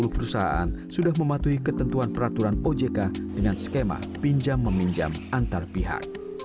satu ratus dua puluh perusahaan sudah mematuhi ketentuan peraturan ojk dengan skema pinjam meminjam antar pihak